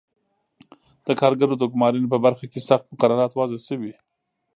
د کارګرو د ګومارنې په برخه کې سخت مقررات وضع شوي.